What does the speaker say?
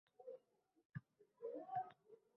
o‘zi yaxshi biladigan” holatlar ham uchraydi.